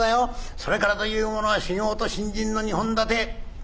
それからというものは修業と信心の二本立て。